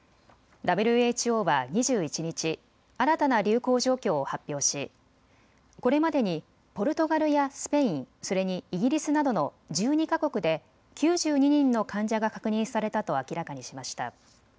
ＷＨＯは２１日、新たな流行状況を発表しこれまでにポルトガルやスペイン、それにイギリスなどの１２か国で９２人の患者が確認されたと明らかにしました。